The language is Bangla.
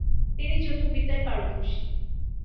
তিনি যুদ্ধ বিদ্যায় পারদর্শী।